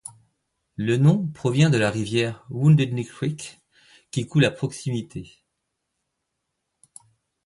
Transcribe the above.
Le nom provient de la rivière Wounded Knee Creek qui coule à proximité.